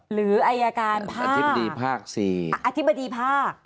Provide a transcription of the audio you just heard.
หรือไอยาการอธิบดีภาค๔